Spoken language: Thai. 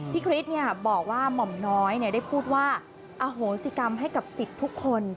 พี่คริสเนี่ยบอกว่าหม่อมน้อยเนี่ยได้พูดว่าอ่าโหศิกรรมให้กับสิทธิ์ทุกคน